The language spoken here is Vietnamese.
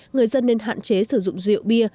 người dân nên hạn chế sử dụng rượu bia